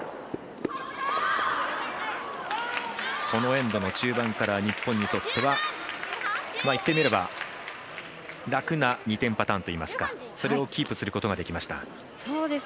このエンドの中盤から日本にとってはいってみれば楽な２点パターンといいますかそれをキープすることができました。